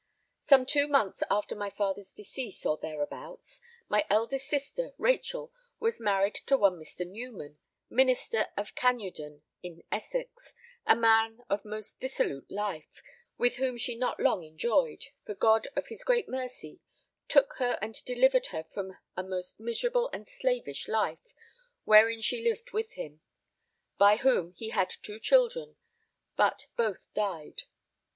Some two months after my father's decease or thereabouts, my eldest sister Rachel was married to one Mr. Newman, Minister of Canewdon in Essex, a man of most dissolute life, with whom she not long enjoyed, for God, of his great mercy, took her and delivered her from a most miserable and slavish life wherein she lived with him; by whom he had two children, but both died.